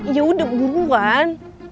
ya udah buruan